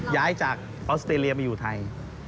ย้ายจากออสเตรเลียมาอยู่ไทย